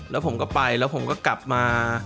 แล้วผมก็ไปแล้วผมก็กลับมา